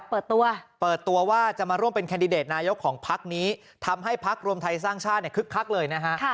เปิดตัวเปิดตัวว่าจะมาร่วมเป็นแคนดิเดตนายกของพักนี้ทำให้พักรวมไทยสร้างชาติเนี่ยคึกคักเลยนะฮะ